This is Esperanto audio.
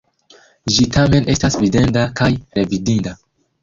Ĝi tamen estas videnda kaj revidinda.